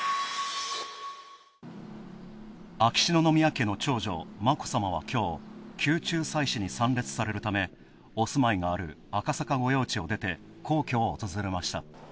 秋篠宮家の長女、眞子さまはきょう、宮中祭祀に参列されるためお住まいがある赤坂御用地を出て皇居を訪れました。